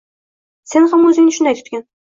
Sen ham oʻzingni shunday tutgin.